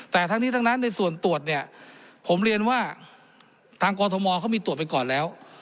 แต่ทั้งนี้ทั้งนั้นในส่วนตรวจเนี่ยผมเรียนว่าทางกรทมเขามีตรวจไปก่อนแล้ว